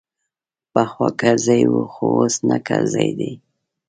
پخوا کرزی وو خو اوس نه کرزی دی.